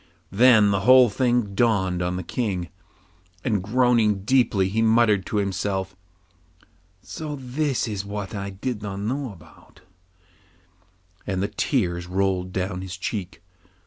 Then the whole thing dawned on the King, and groaning deeply he muttered to himself 'So this is what I did not know about,' and the tears rolled down his cheeks.